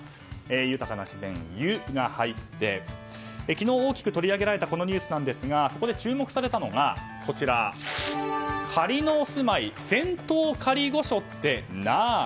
豊かな自然の「ユ」が入って昨日、大きく取り上げられたこのニュースなんですがそこで注目されたのが仮のお住まい仙洞仮御所って何？